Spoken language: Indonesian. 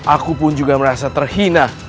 aku pun juga merasa terhina